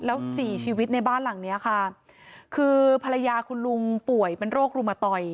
แล้วสี่ชีวิตในบ้านหลังเนี้ยค่ะคือภรรยาคุณลุงป่วยเป็นโรครุมตอย